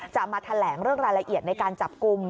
จะมาแถลงเรื่องรายละเอียดในการจับกลุ่ม